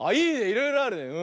いろいろあるね。